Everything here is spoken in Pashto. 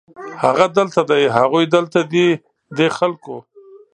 هغه دلته دی، هغوی دلته دي ، دې خلکو